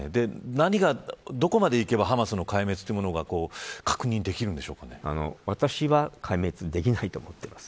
何がどこまでいけばハマスの壊滅というものが私は壊滅できないと思っています。